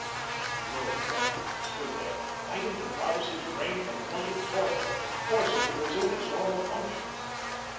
He rose, then, and stood there, fighting to rouse his brain from blunted torpor, to force it to resume its normal functions.